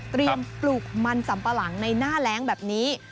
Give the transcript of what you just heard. พรีมปลูกมันสำประหลังในหน้าแร้งแบบนี้